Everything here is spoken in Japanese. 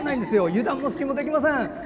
油断も隙もできません。